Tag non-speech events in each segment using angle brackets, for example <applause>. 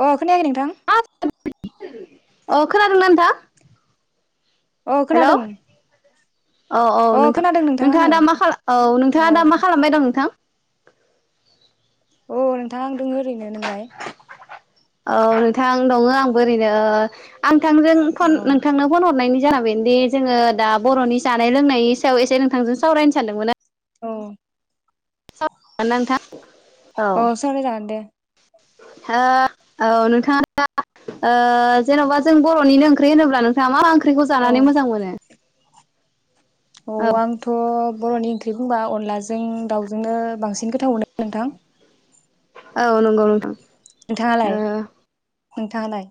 अ खोनायाखै नोंथां? अ खोनादों ना नोंथां? अ हेलौ खोनादों औ औ अ नोंथां खोनादों आङो नोंथाङा दा मा खाला औ नोंथाङा दा मा खालामबाय दं नोंथां? अ नोंथां दङ ओरैनो नोंलाय? औ नोंथां दङ आंबो ओरैनो आं नोंथांजों फन अ नोंथांनो फन हरनायनि जाहोना बेनोदि जोङो दा बर'नि जानाय लोंनायनि सायाव एसे नोंथांजों सावरायनो सानदोंमोन। औ <unintelligible> नोंथां औ अ सावराय जागोन दे। ओ औ नोंथाङा ओ जेन'बा जों बर'निनो ओंख्रि होनोब्ला नोंथाङा मा मा ओंख्रि? ओंख्रिखौ औ जानानै मोजां मोनो? औ आंथ' बर'नि ओंख्रि बुंबा अनलाजों दाउजोंनो बांसिन गोथाव मोनो नोंथां। औ नोंगौ नोंथां। ओ नोंथाङालाय? नोंथाङालाय?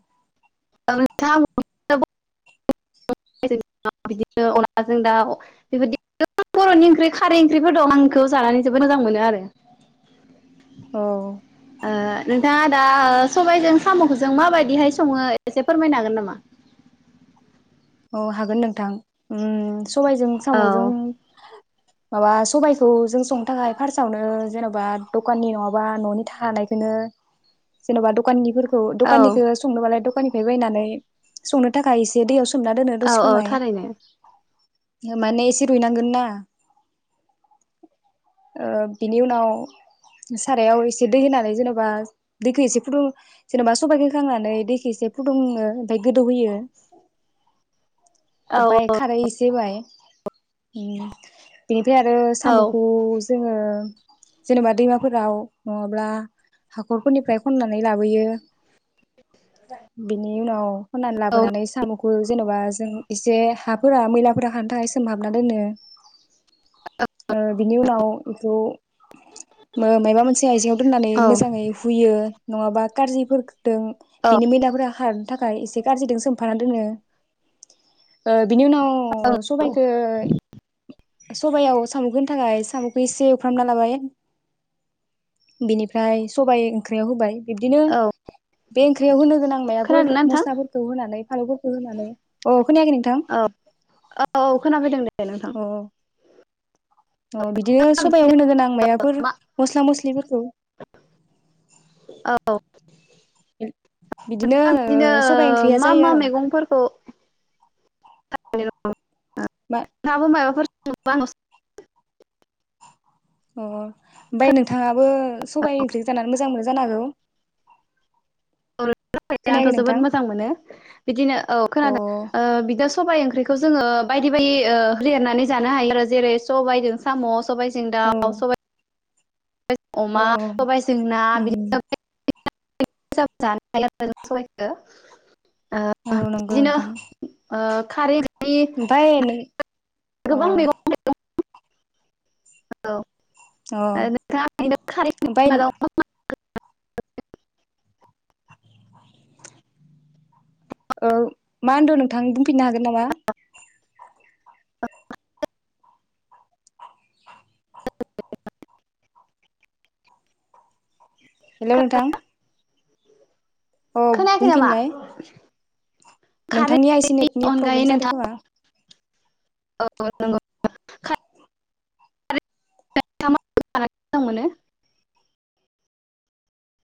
<unintelligible> औ नोंथां <unintelligible> बिदिनो अनलाजों दाउ बेबायदि बर'नि ओंख्रि खारै ओंख्रिफोर दं आंखौ जानानै जोबोद मोजां मोनो आरो। औ ओ नोंथाङा दा सबायजों साम'खौजों मा बायदिहाय सङो एसे फोरमायनो हागोन नामा? औ हागोन नोंथां उम सबायजों औ साम'जों माबा सबायाइखौ जों संनो थाखाय फार्सआवनो जेन'बा दखाननि नङाबा न'नि थानायखौनो जेन'बा दखाननिफोरखौ औ दखाननिखौ संनोबालाय दखाननि बायनानै संनो थाखाय इसेदैयाव सो औ औ थारैनो माने एसे रुइनांगोन ना बिनि उनाव सारायाव एसे दै होनानै जेनेबा दैखौ एसे फुदुं जेनेबा सबायाइखौ खांनानै दैखौ एसे फुदुङो ओमफ्राय गोदौहोयो औ पाय खारै एसे होबाय <unintelligible> बेनिफ्राय आरो औ साम'खौ जोङो जेनेबा दैमाफोराव नङाब्ला हाखरफोरनिफ्राय खननानै लाबोयो बिनि उनाव होननानै औ लाबोनानै साम'खौ जेन'बा जों एसे हाफोरा मैलाफोरा हानो थाखाय सोमहाबना दोनो ओ बिनि उनाव बेखौ मो माबा मोनसे आइजें दोननानै औ मोजाङै हुयो नङाबा कारजिफोर दों औ बिनि मै ला खारनो थाखाय एसे कारजिदों सोमफानानै दोननो ओ बिनि उनाव सबायाइखो सबायाव सामखो होनो थाखाय साम'खौ एसे एवफ्रामना लाबाय बेनिफ्राय सबाइ ओंख्रियाव होबाय बिबदिनो औ बे ओख्रियाव होनो गोनां माबाफोर खोनादोंना नोंथां? मस्लाफोरखौ होनानै फा अ खोनायाखै नोंथां औ औ अ <unintelligible> अ बिदिनो सबायाव होनो गोनां मायाफोर मा मस्ला मस्लिफोरखौ औ बिदिनो ओ सबाइ ओंख्रिया मा जायो मा आरो मेगंफोरखौ <unintelligible> मा <unintelligible> मायबाफोर <unintelligible> अ बाय नोंथाङाबो सबाय ओंख्रि जानानै मोजां मोनो जानो हागौ खोनायाखै <unintelligible> नोंथां अ औ सबायाइ ओंख्रिखौ जोङो बायदि बायदि लिरनानै जानो हायो आरो जेरै सबायदजों सामस सबाइजों औ दाउ सबाइ अमा औ सबायजों ना बिदिनो उम <unintelligible> औ ओ नंगौ बिदिनो नोंथां ओ। खारै। ओंख्रि गोबां मैगं <unintelligible> औ। ओ अ नोंथाङा ओरैनो खारैनि ओमफ्राय मादाव मा मा। औ मा होनदों नोंथां बुंफिननो हागोन नामा। औ। <unintelligible> अ खोनायाखै नामा बुंफिनलाय? खारैनि नोंथांनि आइसि नेटनि अनगायै प्रब्लेम जादों नोंथाङा खोमा। <unintelligible>